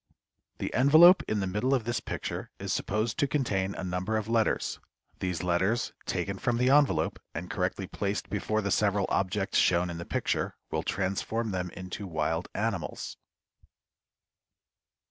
The envelope in the middle of this picture is supposed to contain a number of letters. These letters taken from the envelope, and correctly placed before the several objects shown in the picture, will transform them into wild animals.